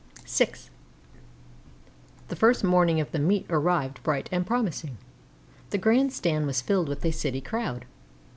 VI The first morning of the meet arrived bright and promising. The Grand Stand was filled with a city crowd.